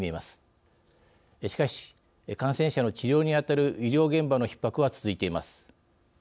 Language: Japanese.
しかし感染者の治療に当たる医療現場のひっ迫は続いています。